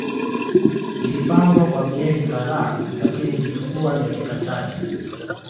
Ilipangwa kwa miezi kadhaa lakini ilichukua dakika chache